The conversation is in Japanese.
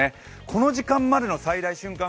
この時間までの最大瞬間